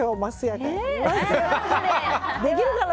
できるかな？